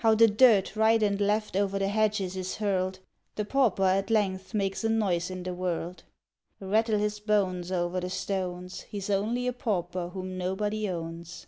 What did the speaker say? How the dirt, right and left, o'er the hedges is hurled! The pauper at length makes a noise in the world! _Rattle his bones over the stones! He's only a pauper whom nobody owns!